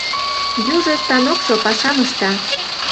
Южо станокшо пашам ышта.